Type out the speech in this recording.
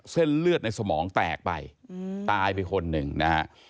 เส้นเลือดในสมองแตกไปตายไปคนหนึ่งนะฮะ